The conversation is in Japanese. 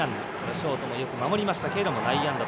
ショートもよく守りましたが内野安打。